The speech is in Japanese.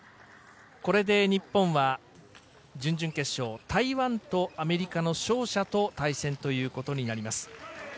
これで日本は準々決勝、台湾とアメリカの勝者と対戦ということになります。